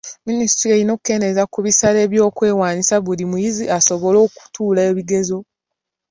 Minisitule erina okukendeeza ku bisale by'okwewandiisa buli muyizi asobole okutuula ebibuuzo.